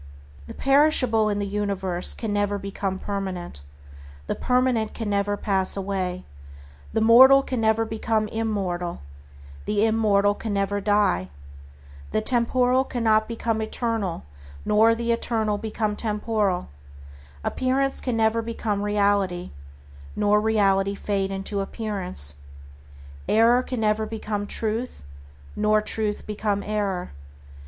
The perishable in the universe can never become permanent; the permanent can never pass away; the mortal can never become immortal; the immortal can never die; the temporal cannot become eternal nor the eternal become temporal; appearance can never become reality, nor reality fade into appearance; error can never become Truth, nor can Truth become error.